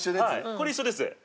これ一緒です。